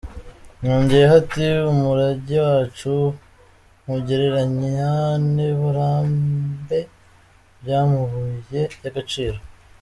Yongeyeho ati: “Umurage wacu nkugereranya n’ibirombe by’amabuye y’agaciro.